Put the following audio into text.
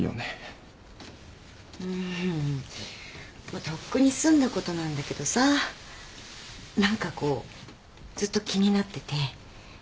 もうとっくに済んだことなんだけどさ何かこうずっと気になってて。